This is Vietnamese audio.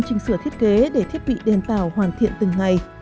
chỉnh sửa thiết kế để thiết bị đèn tạo hoàn thiện từng ngày